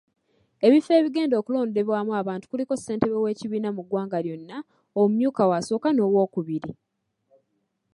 Ebifo ebigenda okulondebwamu abantu kuliko Ssentebe w’ekibiina mu ggwanga lyonna, omumyuka we asooka n’owookubiri.